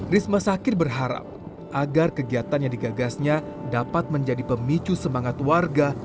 risma sakir berharap agar kegiatan yang digagasnya dapat menjadi pemicu semangat warga